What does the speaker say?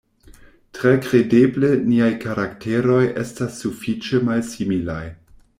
Tre kredeble niaj karakteroj estas sufiĉe malsimilaj.